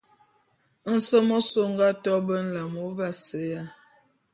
Nsem ôse ô nga to be nlam ô vaseya.